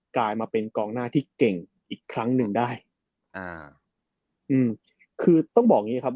กลายมาเป็นกองหน้าที่เก่งอีกครั้งหนึ่งได้อ่าอืมคือต้องบอกอย่างงี้ครับ